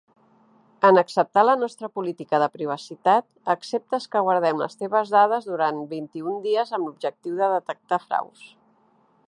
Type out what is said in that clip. En acceptar la nostra política de privacitat, acceptes que guardem les teves dades durant vint-i-un dies amb l'objectiu de detectar fraus.